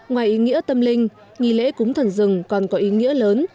ngoài ý nghĩa tâm linh nghi lễ cúng thần rừng còn có ý nghĩa lớn